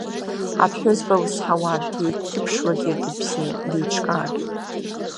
Аԥҳәызба лызҳауан, ҭеиҭԥшрала дыбзиан, деиҿкаан.